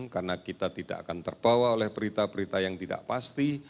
karena kita tidak akan terbawa oleh berita berita yang tidak pasti